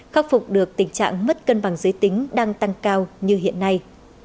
khắc phục được tình trạng mất cân bằng giới tính đang tăng cao như hiện nay